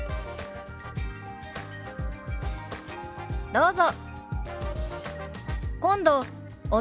どうぞ。